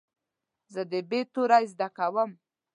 زه د "ب" توری زده کوم.